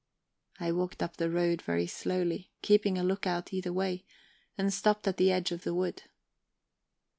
I walked up the road very slowly, keeping a lookout either way, and stopped at the edge of the wood.